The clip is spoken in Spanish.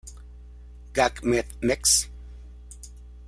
Gac Med Mex.